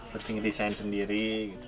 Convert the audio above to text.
berarti ngedesain sendiri gitu ya